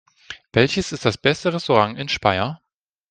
Welches ist das beste Restaurant in Speyer?